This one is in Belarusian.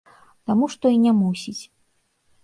Таму што і не мусіць.